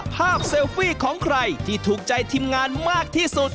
เซลฟี่ของใครที่ถูกใจทีมงานมากที่สุด